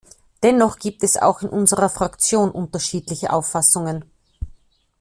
Dennoch gibt es auch in unserer Fraktion unterschiedliche Auffassungen.